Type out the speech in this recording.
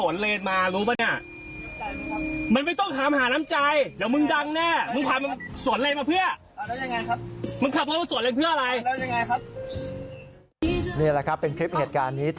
นี่แหละครับเป็นคลิปเหตุการณ์นี้